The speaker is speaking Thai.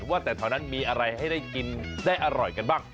ว่าแต่แถวนั้นมีอะไรให้ได้กินได้อร่อยกันบ้าง